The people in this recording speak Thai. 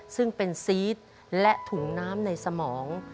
ซึ่งเป็นซีสและถุงน้ำในสมอง